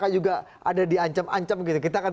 juga ada di ancam ancam gitu kita akan